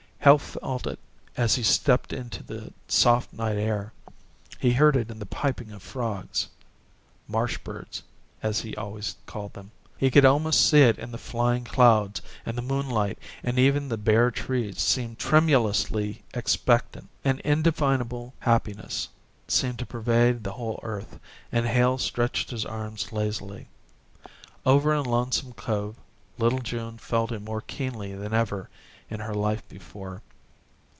Hale felt it as he stepped into the soft night air; he heard it in the piping of frogs "Marsh birds," as he always called them; he could almost see it in the flying clouds and the moonlight and even the bare trees seemed tremulously expectant. An indefinable happiness seemed to pervade the whole earth and Hale stretched his arms lazily. Over in Lonesome Cove little June felt it more keenly than ever in her life before.